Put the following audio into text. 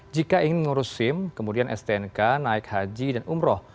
jika ingin mengurus sim kemudian stnk naik haji dan umroh